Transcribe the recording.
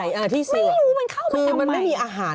ไม่รู้มันเข้ามาคือมันไม่มีอาหาร